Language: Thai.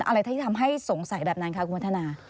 อะไรที่ทำให้สงสัยแบบนั้นคะคุณวัฒนา